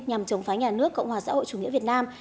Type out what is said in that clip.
nhằm chống phá nhà nước cộng hòa xã hội chủ nghĩa việt nam